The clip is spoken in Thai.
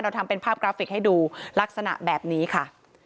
ทำเป็นภาพกราฟิกให้ดูลักษณะแบบนี้ค่ะ